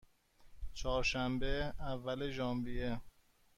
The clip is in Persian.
چهارشنبه، اول ژانویه